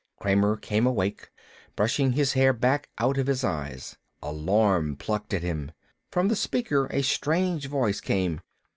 Kramer came awake, brushing his hair back out of his eyes. Alarm plucked at him. From the speaker a strange voice came.